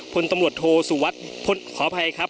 พลตำรวจโทสุวัสดิ์ขออภัยครับ